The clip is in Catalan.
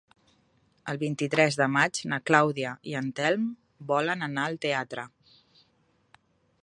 El vint-i-tres de maig na Clàudia i en Telm volen anar al teatre.